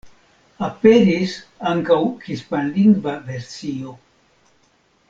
Aperis ankaŭ hispanlingva versio.